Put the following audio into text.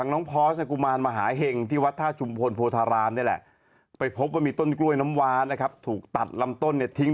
เลิกซะให้เป็นขาวแค่นั้นเอง